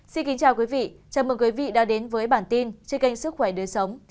xin kính chào quý vị chào mừng quý vị đã đến với bản tin trên kênh sức khỏe đời sống